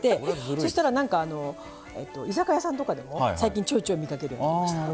そしたら、居酒屋さんとかでも最近ちょいちょい見かける。